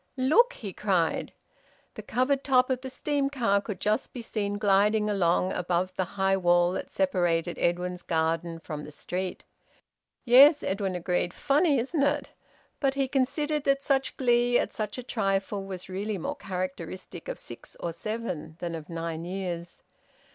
"Look!" he cried. The covered top of the steam car could just be seen gliding along above the high wall that separated Edwin's garden from the street. "Yes," Edwin agreed. "Funny, isn't it?" But he considered that such glee at such a trifle was really more characteristic of six or seven than of nine years.